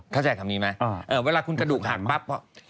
เข้าใจคำนี้ไหมเวลาคุณกระดูกหักปั๊บ